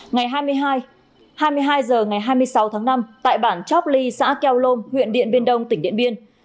ngày hai mươi hai hai mươi hai h ngày hai mươi sáu tháng năm tại bản chóc ly xã keo lôm huyện điện biên đông tỉnh điện biên